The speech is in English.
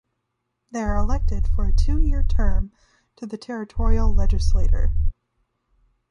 They are elected for a two-year term to the territorial legislature.